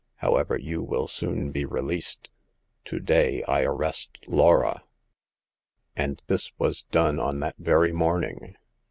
However, you will soon be released. To day, I arrest Laura." And this was done on that very morning.